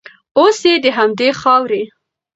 اوس یې د همدې خاورې